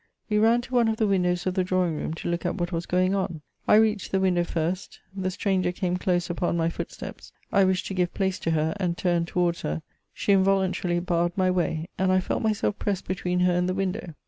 We ran to one of the windows of the drawing room to look at what was going on. I reached the window first ; the stranger came close upon my footsteps — I wished to give place to her — and turned towards her ; she involuntarily barred my way, and I felt myself pressed between her and the window.